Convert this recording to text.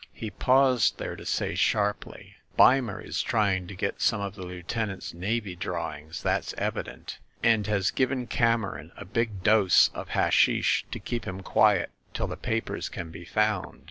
He paused there to say sharply : "Beimer is trying to get some of the lieutenant's navy drawings, that's evident, and has given Cameron a big dose of hashish to keep him quiet till the papers can be found.